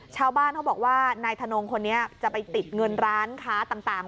ชาวบ้านเขาบอกว่านายทนงคนนี้จะไปติดเงินร้านค้าต่าง